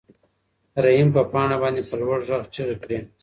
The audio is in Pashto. رحیم په پاڼه باندې په لوړ غږ چیغې کړې.